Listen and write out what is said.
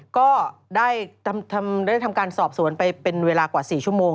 ก็ได้ทำการสอบสวนไปเป็นเวลากว่า๔ชั่วโมง